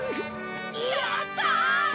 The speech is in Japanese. やった！